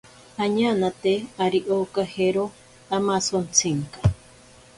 Añanate ari okajero amasontsinka.